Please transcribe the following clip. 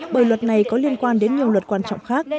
bởi luật này có liên quan đến nhiều luật quan trọng khác